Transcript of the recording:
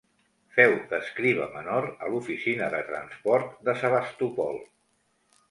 Féu d'escriba menor a l’oficina de transport de Sebastopol.